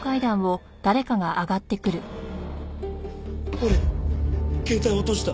俺携帯落とした。